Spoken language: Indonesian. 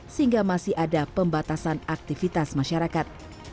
sehingga masih ada pembatasan aktivitas masyarakat